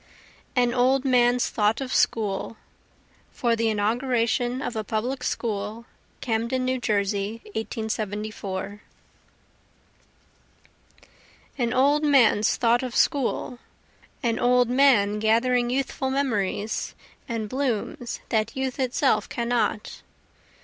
An Old Man's Thought of School [For the Inauguration of a Public School, Camden, New Jersey, 1874] An old man's thought of school, An old man gathering youthful memories and blooms that youth itself cannot.